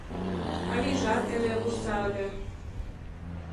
Авийжат эре вурса ыле